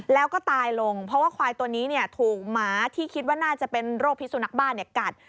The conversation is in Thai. แล้วก็ตายลงเพราะว่าควายตัวนี้ถูกหมาที่คิดว่าน่าจะเป็นโรคพิสุนักบ้านกัด